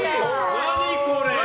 何これ。